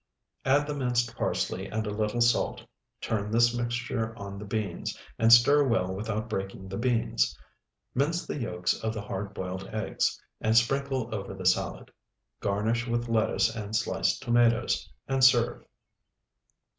Add the minced parsley and a little salt; turn this mixture on the beans, and stir well without breaking the beans. Mince the yolks of the hard boiled eggs and sprinkle over the salad. Garnish with lettuce and sliced tomatoes, and serve.